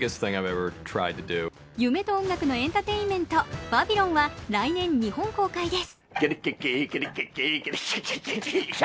夢と音楽のエンターテインメント「バビロン」は来年、日本公開です。